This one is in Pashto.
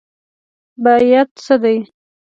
بیعت څه دی؟